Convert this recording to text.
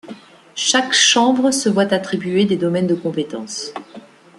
Chaque chambre se voit attribuer des domaines de compétences.